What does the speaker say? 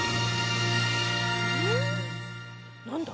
何だ？